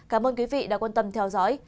cảm ơn quý vị đã quan tâm theo dõi